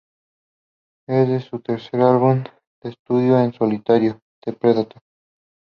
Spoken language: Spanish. Es de su tercer álbum de estudio en solitario "The Predator".